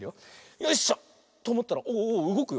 よいしょ。とおもったらおおうごくよ。